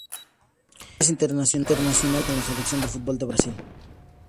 Henrique es internacional absoluto con la Selección de fútbol de Brasil.